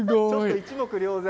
一目瞭然。